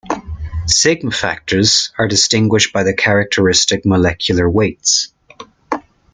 Sigma factors are distinguished by their characteristic molecular weights.